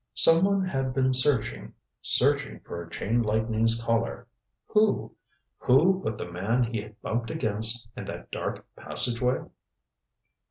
Some one had been searching searching for Chain Lightning's Collar. Who? Who but the man he had bumped against in that dark passageway?